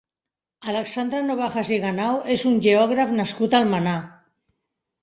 Alexandre Nobajas i Ganau és un geògraf nascut a Almenar.